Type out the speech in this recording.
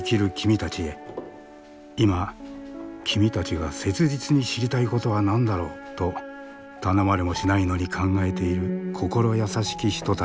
今君たちが切実に知りたいことは何だろう？と頼まれもしないのに考えている心優しき人たちがいる。